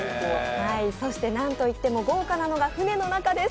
そして何と言っても豪華なのが船の中です。